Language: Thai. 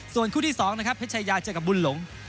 ส่วนคู่ที่๒นะครับเพชรชายาเจอกับบุญหลง